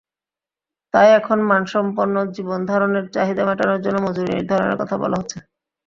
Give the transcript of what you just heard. তাই এখন মানসম্পন্ন জীবনধারণের চাহিদা মেটানোর জন্য মজুরি নির্ধারণের কথা বলা হচ্ছে।